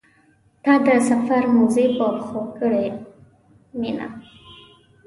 تا د سفر موزې په پښو کړې مینه.